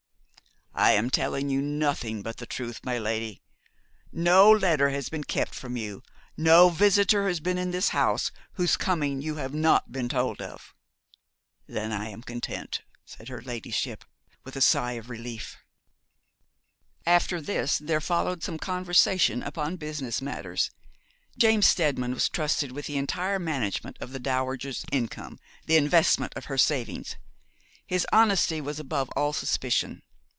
'I am telling you nothing but the truth, my lady. No letter has been kept from you; no visitor has been to this house whose coming you have not been told of.' 'Then I am content,' said her ladyship, with a sigh of relief. After this there followed some conversation upon business matters. James Steadman was trusted with the entire management of the dowager's income, the investment of her savings. His honesty was above all suspicion.